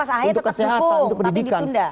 berarti mas ahaya tetap hubung tapi ditunda